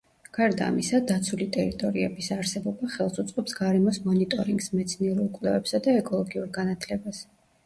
გარდა ამისა, დაცული ტერიტორიების არსებობა ხელს უწყობს გარემოს მონიტორინგს, მეცნიერულ კვლევებსა და ეკოლოგიურ განათლებას.